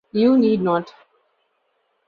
You need not.